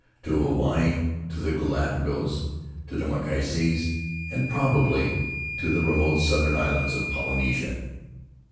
to Hawaii, to the Galapagos, to the Marquesas, and probably to the remote southern islands of Polynesia.